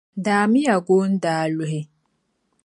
Daami ya goondaa n-luhi.